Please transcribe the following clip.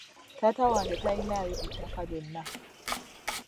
Taata wange tayinaayo ettaka lyonna.